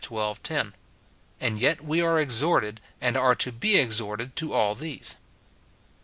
10 ; and yet we are exhorted, and are to be exhorted, to all these.